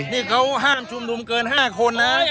นี่เขาห้ามชุมนุมเกิน๕คนนะ